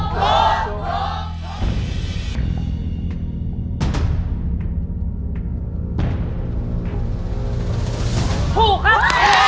โทษครับ